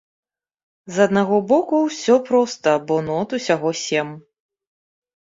З аднаго боку, усё проста, бо нот усяго сем.